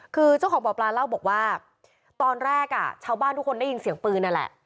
คือเจ้าของบ่อปลาเล่าบอกว่าตอนแรกอ่ะชาวบ้านทุกคนได้ยินเสียงปืนนั่นแหละ